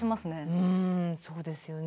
うんそうですよね。